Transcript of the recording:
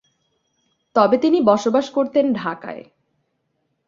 তবে তিনি বসবাস করতেন ঢাকায়।